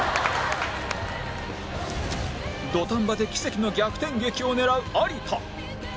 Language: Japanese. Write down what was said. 土壇場で奇跡の逆転劇を狙う有田